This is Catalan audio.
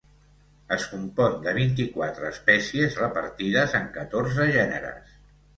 Es compon de vint-i-quatre espècies repartides en catorze gèneres.